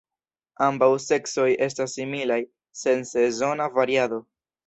Ambaŭ seksoj estas similaj, sen sezona variado.